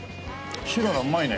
白がうまいね。